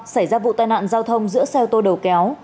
xảy ra vụ tai nạn giao thông giữa xe ô tô đầu kéo